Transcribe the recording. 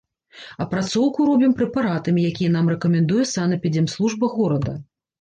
Апрацоўку робім прэпаратамі, якія нам рэкамендуе санэпідэмслужба горада.